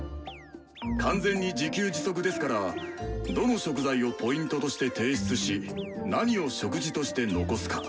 完全に自給自足ですからどの食材をＰとして提出し何を食事として残すか。